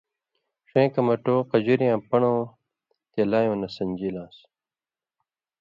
ݜَیں کمرٹو قجُرِیاں پن٘ڑؤں تے لایؤں نہ سن٘دے لان٘س۔